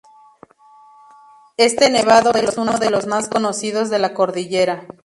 Este nevado es uno de los más conocidos de la cordillera.